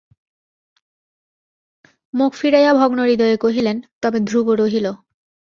মুখ ফিরাইয়া ভগ্নহৃদয়ে কহিলেন, তবে ধ্রুব রহিল।